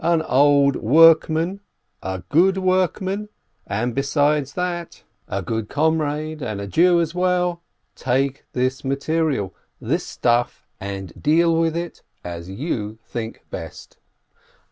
an old workman, a good workman, and, besides that, a YITZCHOK YOSSEL BROITGEBER 241 good comrade, and a Jew as well, take this material, this stuff, and deal with it as you think best.